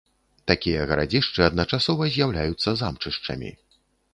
Такія гарадзішчы адначасова з'яўляюцца замчышчамі.